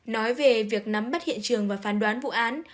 nói về việc nắm bắt hiện trường và phán đoán vụ án